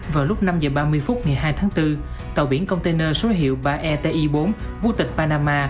vào lúc năm h ba mươi phút ngày hai tháng bốn tàu biển container số hiệu ba eti bốn quốc tịch panama